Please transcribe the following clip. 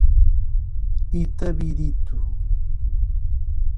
Itabirito